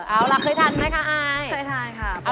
เอาล่ะเคยทานไหมคะไอ้ใส่ทานค่ะ